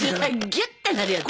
ギュッてなるやつ？